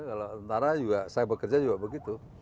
kalau tentara juga saya bekerja juga begitu